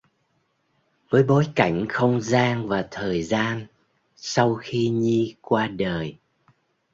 Với bối cảnh không gian và thời gian sau khi Nhi qua đời